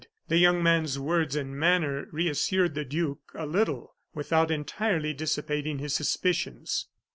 The young man's words and manner reassured the duke a little, without entirely dissipating his suspicions.